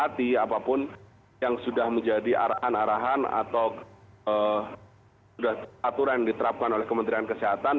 tapi apapun yang sudah menjadi arahan arahan atau sudah aturan diterapkan oleh kementerian kesehatan